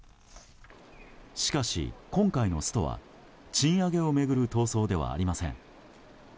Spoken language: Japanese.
しかし、今回のストは賃上げを巡る闘争ではありません。